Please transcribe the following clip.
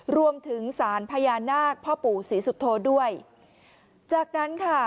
รวมถึงสารพญานาคพ่อปู่ศรีสุโธด้วยจากนั้นค่ะ